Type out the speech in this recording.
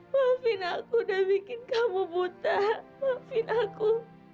wafin aku udah bikin kamu buta wafin aku